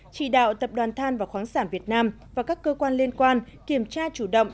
chỉ đạo tập đoàn than và khoáng sản việt nam và các cơ quan liên quan kiểm tra chủ động